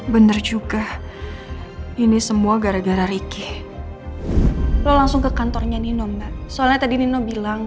bener juga ini semua gara gara riki lu langsung ke kantornya nino mbak soalnya tadi no bilang